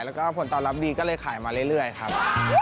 แล้วก็ผลตอบรับดีก็เลยขายมาเรื่อยครับ